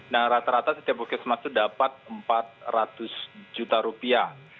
nah rata rata setiap puskesmas itu dapat empat ratus juta rupiah